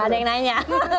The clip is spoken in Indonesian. gak ada yang nanya